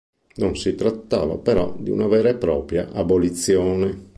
Non si trattava però di una vera e propria abolizione.